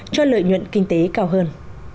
cho lợi nhuận kinh tế cao hơn